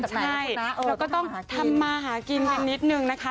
เราก็ต้องทำมาหากินกันนิดนึงนะคะ